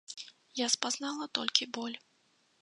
Я спазнала толькі боль.